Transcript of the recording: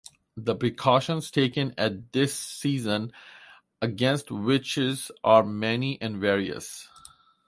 The precautions taken at this season against witches are many and various.